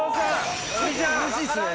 うれしいっすね。